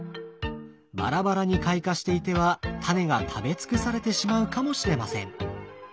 バラバラに開花していてはタネが食べ尽くされてしまうかもしれません。